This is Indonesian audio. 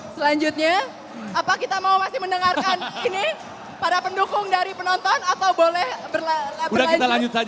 selanjutnya apa kita mau masih mendengarkan ini para pendukung dari penonton atau boleh berlaji